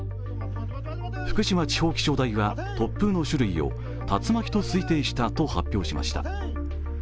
福島地方気象台は突風の種類を竜巻と推定したと発表しました。